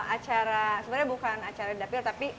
acara sebenarnya bukan acara dapil tapi